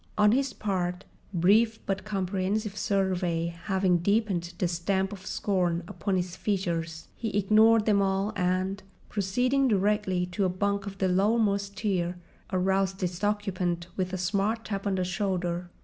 On his part, brief but comprehensive survey having deepened the stamp of scorn upon his features, he ignored them all and, proceeding directly to a bunk of the lowermost tier, aroused its occupant with a smart tap on the shoulder.